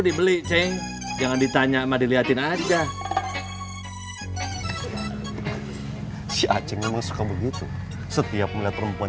dibeli ceng jangan ditanya sama dilihatin aja si aceh suka begitu setiap melihat perempuan